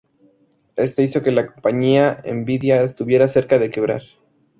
Esto hizo que la compañía nVidia estuviera cerca de quebrar.